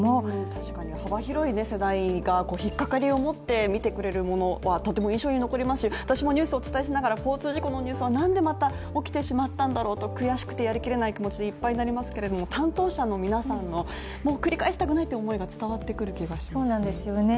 確かに幅広い世代が引っかかりを持って見てくれるものはとても印象に残りますし、私もニュースをお伝えしながら交通事故のニュースはなんでまた起きてしまったんだろうと悔しくてやりきれない気持ちでいっぱいになりますけど、担当者の皆さんの、繰り返したくないという思いが伝わってくる気がしますね。